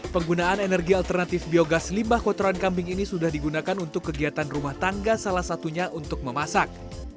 penggunaan energi alternatif biogas limbah kotoran kambing ini sudah digunakan untuk kegiatan rumah tangga salah satunya untuk memasak